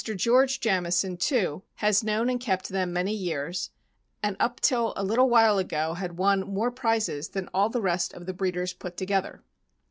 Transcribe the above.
George Jamison, too, has known and kept them many years, and up till a little while ago had won more prizes than all the rest of the breeders put together.